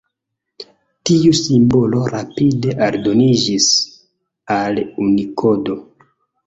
Tiu simbolo rapide aldoniĝis al Unikodo.